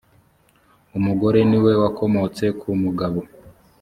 umugore ni we wakomotse ku mugabo